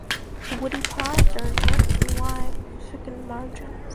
The woody pods are in length and wide with thickened margins.